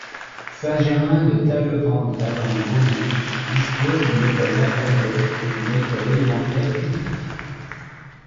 Saint-Germain-de-Tallevende-la-Lande-Vaumont dispose d'une école maternelle et d'une école élémentaire publiques.